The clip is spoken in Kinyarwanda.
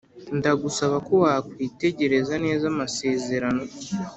ndagusaba ko wakwitegereza neza amasezerano.